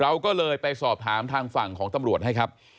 เราก็เลยไปสอบถามทางฝั่งของตำรวจให้ครับ